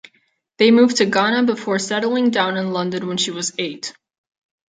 They moved to Ghana before settling down in London when she was eight.